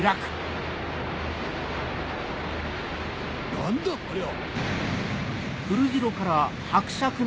何だありゃ⁉